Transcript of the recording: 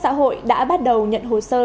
xã hội đã bắt đầu nhận hồ sơ